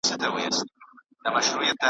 یو ناڅاپه وو کوهي ته ور لوېدلې .